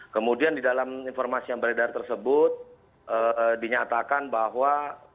kemudian di dalam informasi yang beredar tersebut dinyatakan bahwa